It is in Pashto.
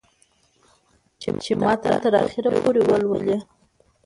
چې متن تر اخره پورې ولولي